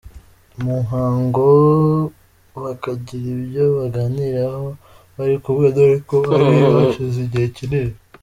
muhango bakagira ibyo baganiraho bari kumwe dore ko hari hashize igihe kinini.